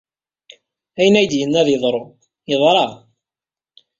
Ayen ay d-yenna ad yeḍru, yeḍra.